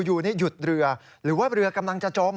อยู่นี่หยุดเรือหรือว่าเรือกำลังจะจม